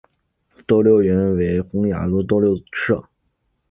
斗六原为洪雅族斗六社。